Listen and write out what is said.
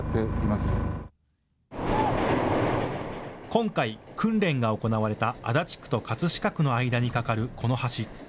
今回、訓練が行われた足立区と葛飾区の間に架かる、この橋。